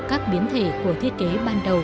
các biến thể của thiết kế ban đầu